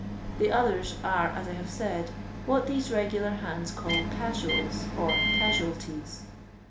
The others are, as I have said, what these regular hands can " casuals," or " casualties."